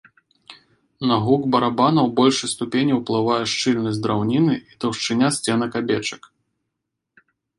На гук барабана ў большай ступені ўплывае шчыльнасць драўніны і таўшчыня сценак абечак.